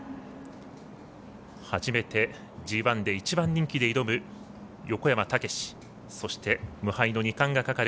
初めてＧＩで１番人気で挑む横山武史。